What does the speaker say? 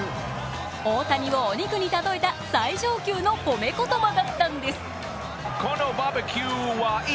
大谷をお肉に例えた最上級の褒め言葉だったんです。